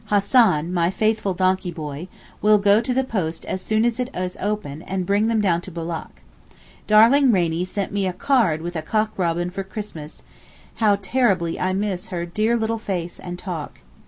Hassan, my faithful donkey boy, will go to the post as soon as it is open and bring them down to Boulak. Darling Rainie sent me a card with a cock robin for Christmas; how terribly I miss her dear little face and talk!